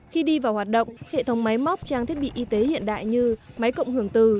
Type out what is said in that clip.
khi đi vào hoạt động hệ thống máy móc trang thiết bị y tế hiện đại như máy cộng hưởng từ